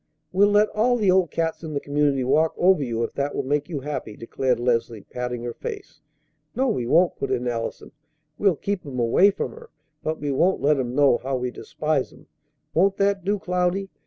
We'll let all the old cats in the community walk over you if that will make you happy," declared Leslie, patting her face. "No, we won't!" put in Allison; "we'll keep 'em away from her, but we won't let 'em know how we despise 'em. Won't that do, Cloudy?